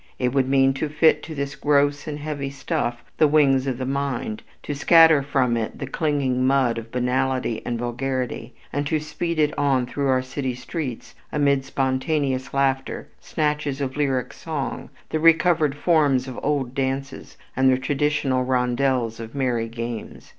It would mean to fit to this gross and heavy stuff the wings of the mind, to scatter from it "the clinging mud of banality and vulgarity," and to speed it on through our city streets amid spontaneous laughter, snatches of lyric song, the recovered forms of old dances, and the traditional rondels of merry games.